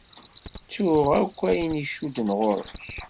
Ttuɣ akk ayen icudden ɣur-k.